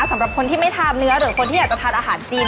สำหรับคนที่ไม่ทานเนื้อหรือคนที่อยากจะทานอาหารจีน